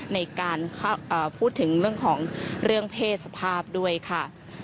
ในการพูดถึงเรื่องของเรื่องเพศสภาพด้วยค่ะ